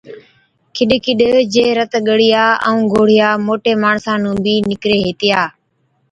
ڪِڏ ڪِڏ جي رت ڳڙِيا ائُون گوڙهِيا موٽي ماڻسا نُون بِي نِڪري هِتِيا